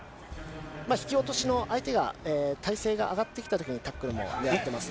引き落としの相手が、体勢が上がってきたときにタックルも狙ってますね。